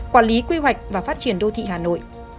quản lý quy hoạch và phát triển đô thị hà nội